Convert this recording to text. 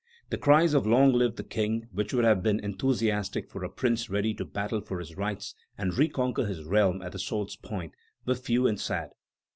The cries of "Long live the King!" which would have been enthusiastic for a prince ready to battle for his rights and reconquer his realm at the sword's point, were few and sad.